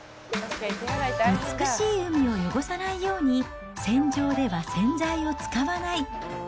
美しい海を汚さないように、船上では洗剤を使わない。